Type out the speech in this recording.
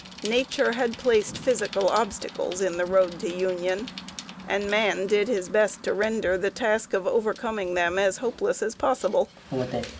Nature had placed physical obstacles in the road to union, and man did his best to render the task of overcoming them as hopeless as possible.